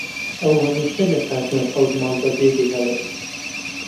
ئەو هەمیشە لە کاتژمێر حەوت ماڵ بەجێ دەهێڵێت.